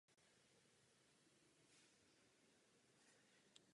V rámci Slovenského státu byla tato organizace zrušena později.